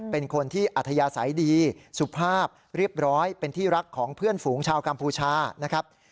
เป็นคนที่อัธยาศัยดีสุภาพเรียบร้อยเป็นที่รักของเพื่อนฝูงชาวกัมพูชานะครับ